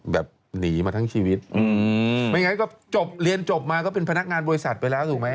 แบบหนีมาทั้งชีวิตอืมไม่งั้นก็จบเรียนจบมาก็เป็นพนักงานบริษัทไปแล้วถูกไหม